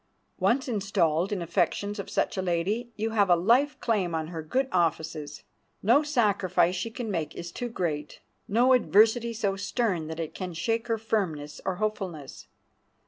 Once installed in the affections of such a lady, you have a life claim on her good offices. No sacrifice she can make is too great, no adversity so stern that it can shake her firmness or hopefulness.